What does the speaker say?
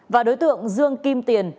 và đối tượng dương kim tiền